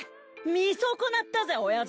見損なったぜ親父！